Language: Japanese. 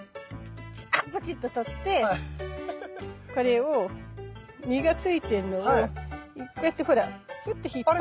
ブチッと取ってこれを実がついてんのをこうやってほらヒュッて引っ張ると。